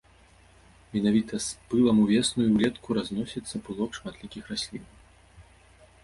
Менавіта з пылам увесну і ўлетку разносіцца пылок шматлікіх раслінаў.